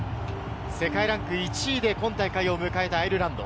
世界ランク１位で今大会を迎えたアイルランド。